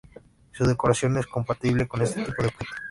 Su decoración es compatible con este tipo de objeto.